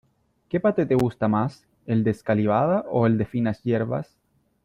¿Qué paté te gusta más, el de escalivada o el de finas hierbas?